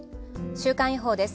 週間予報です。